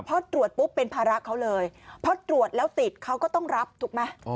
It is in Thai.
พอตรวจปุ๊บเป็นภาระเขาเลยเพราะตรวจแล้วติดเขาก็ต้องรับถูกไหม